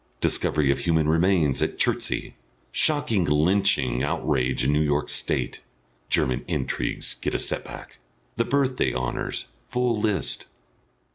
DISCOVERY OF HUMAN REMAINS AT CHERTSEY. SHOCKING LYNCHING OUTRAGE IN NEW YORK STATE. GERMAN INTRIGUES GET A SET BACK. THE BIRTHDAY HONOURS. FULL LIST.